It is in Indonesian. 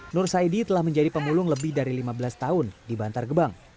nur saidi telah menjadi pemulung lebih dari lima belas tahun di bantar gebang